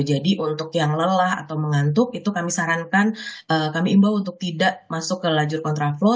untuk yang lelah atau mengantuk itu kami sarankan kami imbau untuk tidak masuk ke lajur kontra flow